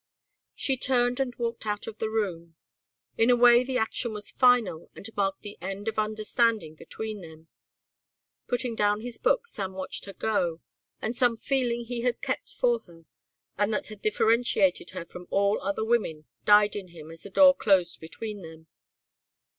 Sue turned and walked out of the room. In a way the action was final and marked the end of understanding between them. Putting down his book Sam watched her go and some feeling he had kept for her and that had differentiated her from all other women died in him as the door closed between them.